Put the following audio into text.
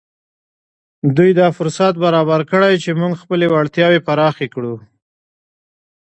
دوی دا فرصت برابر کړی چې موږ خپلې وړتياوې پراخې کړو.